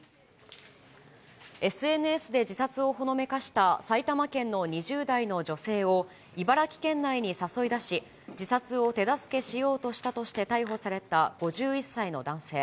ＳＮＳで自殺をほのめかした埼玉県の２０代の女性を茨城県内に誘い出し、自殺を手助けしようとしたとして、逮捕された５１歳の男性。